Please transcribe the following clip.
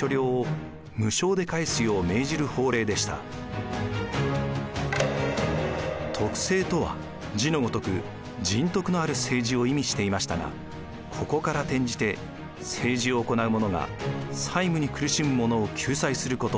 これは徳政とは字のごとく「仁徳のある政治」を意味していましたがここから転じて政治を行う者が債務に苦しむ者を救済すること